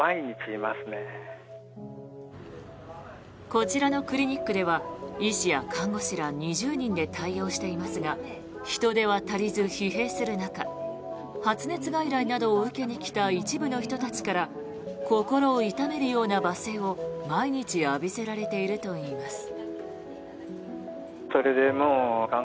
こちらのクリニックでは医師や看護師ら２０人で対応していますが人手は足りず、疲弊する中発熱外来などを受けに来た一部の人から心を痛めるような罵声を毎日、浴びせられているといいます。